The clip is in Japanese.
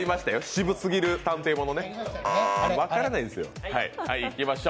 渋すぎる探偵ものね、分からないんですよ。